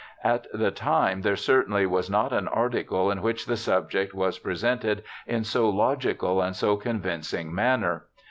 At the time there certainly was not an article in which the subject was presented in so logical and so convincing manner.